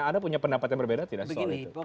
ada punya pendapat yang berbeda tidak